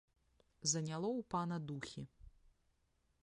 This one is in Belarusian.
Заняло ў пана духі.